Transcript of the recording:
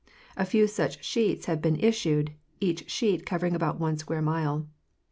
A few such sheets have been issued, each sheet covering about one square mile.